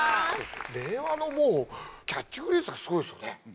令和のもうキャッチフレーズがすごいですよね